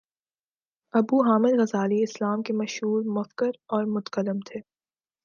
ابو Hamid Ghazali اسلام کے مشہور مفکر اور متکلم تھے